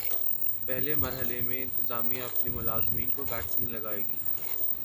پہلے مرحلے میں انتظامیہ اپنے ملازمین کو ویکسین لگائے گی